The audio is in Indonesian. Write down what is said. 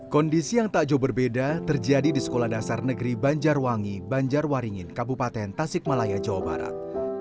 kondisi yang tak jauh berbeda terjadi di sekolah dasar negeri banjarwangi banjarwaringin kabupaten tasikmalaya jawa barat